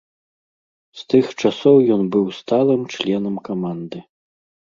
З тых часоў ён быў сталым членам каманды.